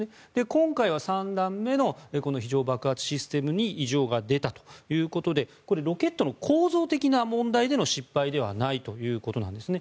今回は３段目の非常爆発システムに異常が出たということでこれ、ロケットの構造的な問題での失敗ではないということなんですね。